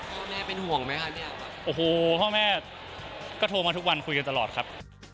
พ่อแม่เป็นห่วงไหมคะเนี่ยโอ้โหพ่อแม่ก็โทรมาทุกวันคุยกันตลอดครับ